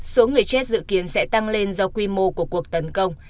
số người chết dự kiến sẽ tăng lên do quy mô của cuộc tấn công